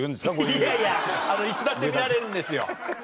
いやいやいつだって見られるんですよ。